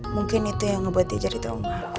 mungkin itu yang ngebuat dia jadi tahu